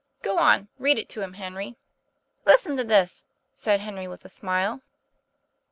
' Go on; read it to him, Henry." ' Listen to this," said Henry, with a smile. ST.